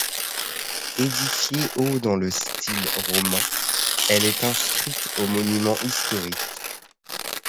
Édifiée au dans le style roman, elle est inscrite aux monuments historiques.